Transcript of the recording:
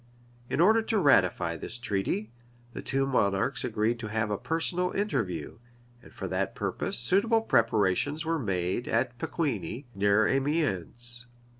[] In order to ratify this treaty, the two monarchs agreed to have a personal interview; and for that purpose suitable preparations were made at Pecquigni, near Amiens.